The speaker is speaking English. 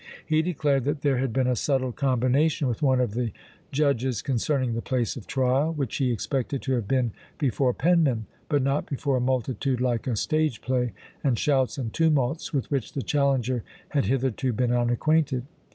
He declared that there had been a subtle combination with one of the judges concerning the place of trial; which he expected to have been "before penmen," but not before a multitude like a stage play, and shouts and tumults, with which the challenger had hitherto been unacquainted.